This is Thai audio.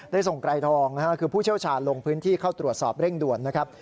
ส่งไกรทองคือผู้เชี่ยวชาญลงพื้นที่เข้าตรวจสอบเร่งด่วนนะครับ